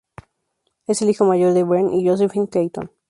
Es el hijo mayor de Brian y Josephine Clayton.